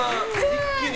一気に。